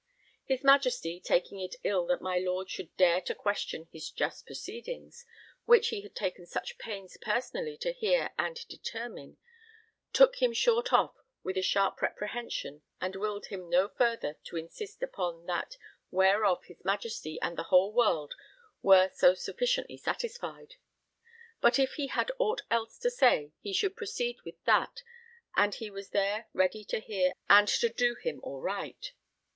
His Majesty, taking it ill that my Lord should dare to question his just proceedings, which he had taken such pains personally to hear [and] determine, took him short off with a sharp reprehension and willed him no further to insist upon that whereof his Majesty and the whole world were so sufficiently satisfied; but if he had aught else to say he should proceed with that, and he was there ready to hear and to do him all right.